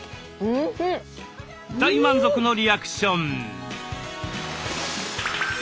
大満足のリアクション。